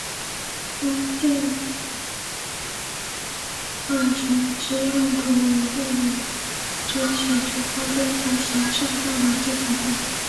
该建物群之用途为病友之起居空间及行政大楼之所在。